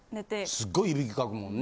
すごいいびきかくもんね。